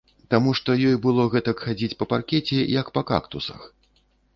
Таму што ёй было гэтак хадзіць па паркеце, як па кактусах.